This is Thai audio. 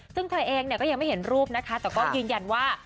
ซึ่งเธอเองเนี่ยก็ยังไม่เห็นรูปนะคะแต่ก็ยืนยันว่า